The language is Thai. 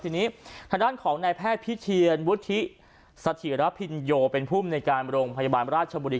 ทีนี้ทางด้านของนายแพทย์พิเทียนวุฒิสถิระพินโยเป็นภูมิในการโรงพยาบาลราชบุรี